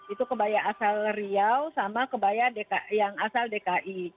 itu kebaya asal riau sama kebaya yang asal dki